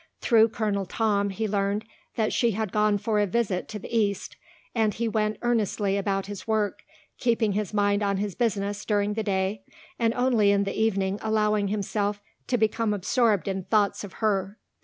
Through Colonel Tom he learned that she had gone for a visit to the East and he went earnestly about his work, keeping his mind on his business during the day and only in the evening allowing himself to become absorbed in thoughts of her.